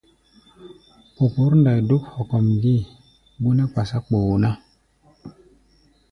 Popǒr ndai dúk hokop gée, bó nɛ́ kpásá kpoo ná.